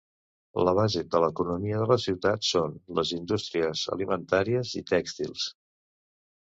La base de l'economia de la ciutat són les indústries alimentàries i tèxtils.